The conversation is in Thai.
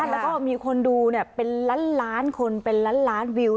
แล้วก็มีคนดูเป็นล้านล้านคนเป็นล้านล้านวิว